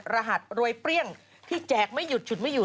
รหัสรวยเปรี้ยงที่แจกไม่หยุดฉุดไม่อยู่